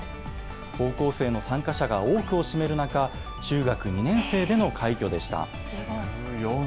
高校生の参加者が多くを占める中、中学２年生での快挙でした。